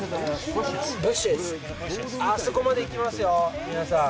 あそこまで行きますよ、皆さん。